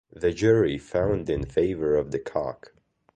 The jury found in favor of the cock.